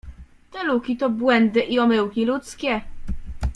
Te luki to błędy i omyłki ludzkie.